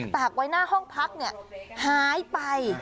ตากไว้หน้าห้องพักหายไป